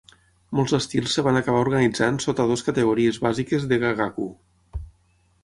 Molts estils es van acabar organitzant sota dues categories bàsiques de gagaku.